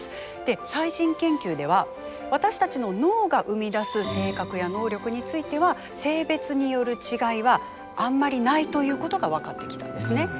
最新研究では私たちの脳が生み出す性格や能力については性別による違いはあんまりないということが分かってきたんですね。